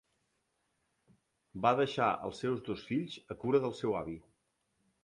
Va deixar els seus dos fills a cura del seu avi.